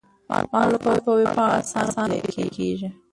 معلومات په ویب پاڼو کې په اسانۍ پیدا کیږي.